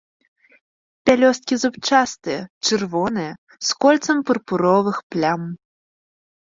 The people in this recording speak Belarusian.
Пялёсткі зубчастыя, чырвоныя, з кольцам пурпуровых плям.